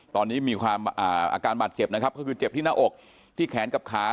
ตอนนี้มีความอาการบาดเจ็บนะครับก็คือเจ็บที่หน้าอกที่แขนกับขา